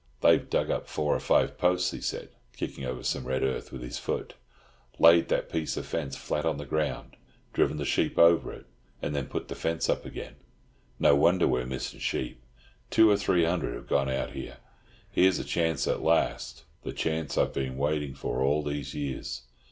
"They've dug up four or five posts," he said, kicking over some red earth with his foot, "laid that piece of fence flat on the ground, driven the sheep over it, and then put the fence up again. No wonder we are missing sheep! Two or three hundred have gone out here! Here's a chance at last—the chance I've been waiting for all these years!